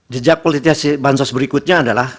jejak politisasi bansos berikutnya adalah